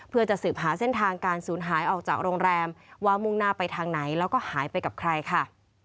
เพื่อจะสืบหาเส้นทางการสูญหายออกจากโรงแรมว่ามุ่งหน้าไปทางไหนแล้วก็หายไปกับใครค่ะ